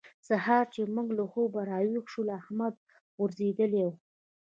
سهار چې موږ له خوبه راويښ شولو؛ احمد غورځېدلی وو.